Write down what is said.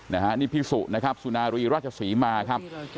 นะฮะนี่พี่สุนะครับสุนารีราชศรีมาครับ